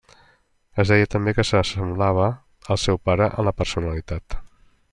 Es deia també que s'assemblava al seu pare en la personalitat.